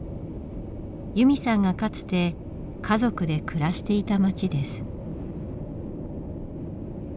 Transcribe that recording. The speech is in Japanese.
由美さんがかつて家族で暮らしていた町です。